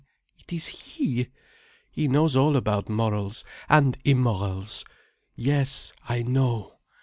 It is he. He knows all about morals—and immorals. Yes, I know.